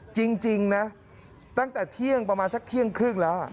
จริงนะตั้งแต่เที่ยงประมาณสักเที่ยงครึ่งแล้ว